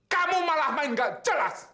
kamu malah main gak jelas